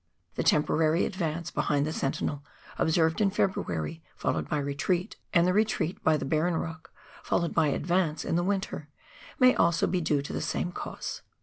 The temporary advance behind the Sentinel, observed in February, followed by retreat, and the retreat by the Barron E,ock followed by advance in the winter, may also be due to the same cause.